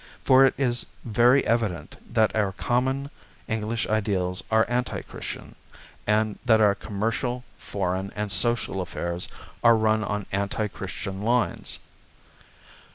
For it is very evident that our common English ideals are anti Christian, and that our commercial, foreign and social affairs are run on anti Christian lines.